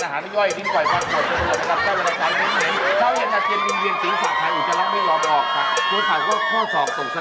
โค้นขาวก็โค้ชศักดิ์เท็จ